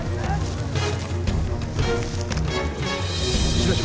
一課長。